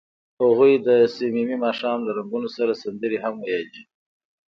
هغوی د صمیمي ماښام له رنګونو سره سندرې هم ویلې.